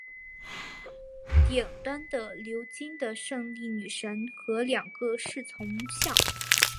顶端是鎏金的胜利女神和两个侍从像。